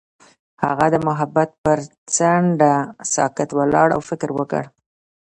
هغه د محبت پر څنډه ساکت ولاړ او فکر وکړ.